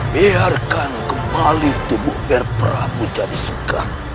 biarkan kembali tubuh ger prabu jadi suka